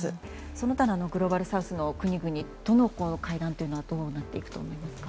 その他のグローバルサウスの国々との会談というのはどうなっていくと思いますか？